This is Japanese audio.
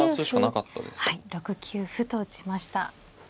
６九歩と打ちました。